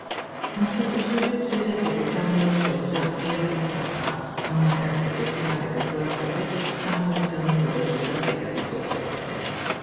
განსაკუთრებით სისასტიკით გამოირჩეოდა იაფას ალყა, მამაკაცები, ქალები, ბავშვები სამი დღის განმავლობაში სასტიკად იხოცებოდნენ.